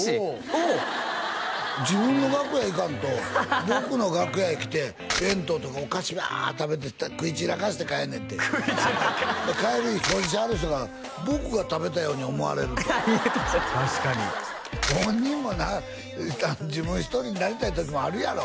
おお自分の楽屋行かんと僕の楽屋へ来て弁当とかお菓子ワーッ食べて食い散らかして帰るねんて食い散らかして帰りに掃除しはる人が僕が食べたように思われると確かに本人もな自分一人になりたい時もあるやろ？